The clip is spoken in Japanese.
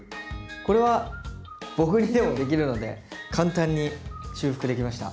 これは僕にでもできるので簡単に修復できました。